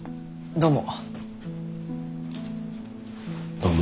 どうも。